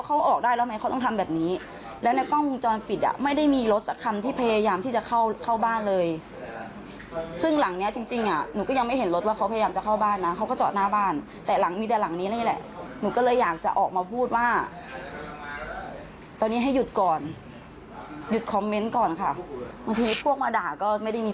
เขาออกได้แล้วไหมเขาต้องทำแบบนี้แล้วในกล้องวงจรปิดอ่ะไม่ได้มีรถสักคำที่พยายามที่จะเข้าเข้าบ้านเลยซึ่งหลังเนี้ยจริงจริงอ่ะหนูก็ยังไม่เห็นรถว่าเขาพยายามจะเข้าบ้านนะเขาก็จอดหน้าบ้านแต่หลังมีแต่หลังนี้นี่แหละหนูก็เลยอยากจะออกมาพูดว่าตอนนี้ให้หยุดก่อนหยุดคอมเมนต์ก่อนค่ะบางทีพวกมาด่าก็ไม่ได้มี